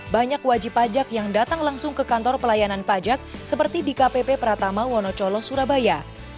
banyak wajib pajak yang datang langsung ke kantor pelayanan pajak seperti di kpp pratama wonocolo surabaya